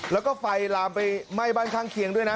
แล้วก็ไฟลามไปไหม้บ้านข้างเคียงด้วยนะ